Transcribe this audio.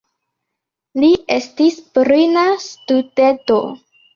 Li estis brila studento.